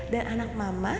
dan anak mama tiara manis